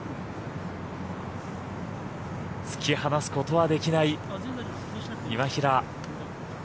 突き放すことはできない今平。